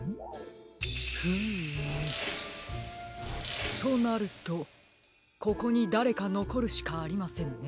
フームとなるとここにだれかのこるしかありませんね。